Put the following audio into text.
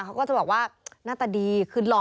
เขาก็จะบอกว่าหน้าตาดีคือหล่อ